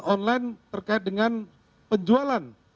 online terkait dengan penjualan